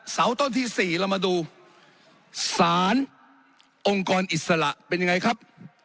เสาต้นที่๔เรามาดูสารองค์กรอิสระเป็นยังไงครับ